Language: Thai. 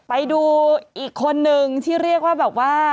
ไปดูอีกคนนึงที่เรียกว่าแบบว่า